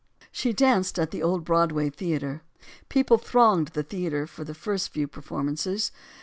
She danced at the old Broadway Theater. People thronged the theater for the first few performances.